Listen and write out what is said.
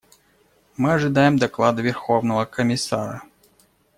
Мы ожидаем доклада Верховного комиссара.